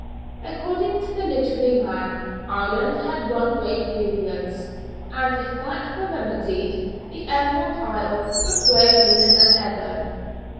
According to the literary man, Ireland had one great grievance, and if that were remedied the Emerald Isle would grow greener than ever.